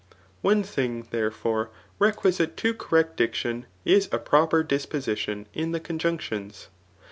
One thing, therefore, requisite to correct diction is a proper disposidon in the conjunctions.